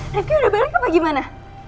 rizky udah balik apa gimana